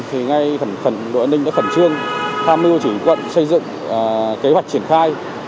thì ngay phần đội an ninh đã khẩn trương tham mưu chủ ủy quận xây dựng kế hoạch triển khai